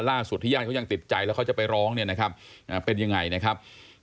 ล่าสุดที่ย่านว่าติดใจแล้วเขาจะไปร้องเนี่ยนะครับ